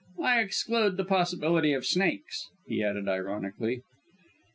I exclude the possibility of snakes," he added ironically.